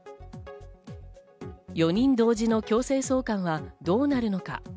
４人同時の強制送還はどうなるのか？